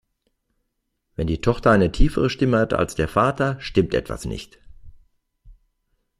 Wenn die Tochter eine tiefere Stimme hat als der Vater, stimmt etwas nicht.